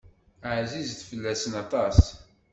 Ɛzizet fell-asen aṭas.